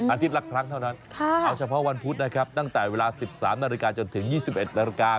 ละครั้งเท่านั้นเอาเฉพาะวันพุธนะครับตั้งแต่เวลา๑๓นาฬิกาจนถึง๒๑นาฬิกา